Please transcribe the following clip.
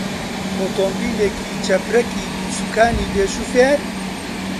ئۆتۆمبێلێکی چەپرەکی دووسوکانی بێ شۆفێر؟